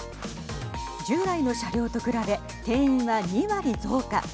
従来の車両と比べ定員は２割増加。